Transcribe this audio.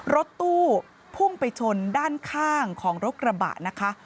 รถตู้พุ่งไปชนด้านข้างของรถกระบะนะคะ